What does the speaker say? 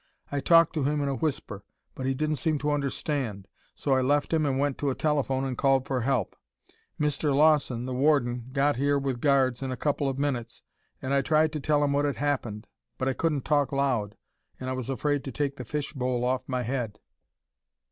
I talked to him in a whisper, but he didn't seem to understand, so I left him and went to a telephone and called for help. Mr. Lawson, the warden, got here with guards in a couple of minutes and I tried to tell him what had happened, but I couldn't talk loud, and I was afraid to take the fish bowl off my head."